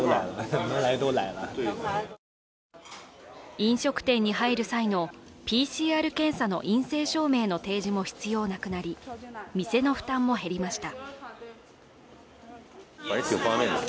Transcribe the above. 飲食店に入る際のＰＣＲ検査の陰性証明の提示も必要なくなり、店の負担も減りました。